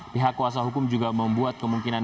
pihak kuasa hukum juga membuat kemungkinan